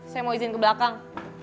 saya mau izin ke belakang